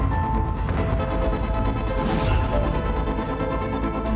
masuk kuliah dulu